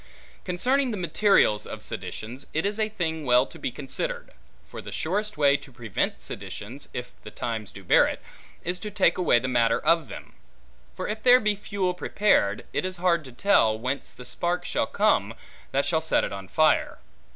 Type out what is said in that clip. Concerning the materials of seditions. It is a thing well to be considered; for the surest way to prevent seditions (if the times do bear it) is to take away the matter of them. For if there be fuel prepared, it is hard to tell, whence the spark shall come, that shall set it on fire.